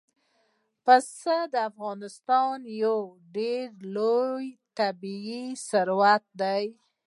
پسه د افغانستان یو ډېر لوی طبعي ثروت دی.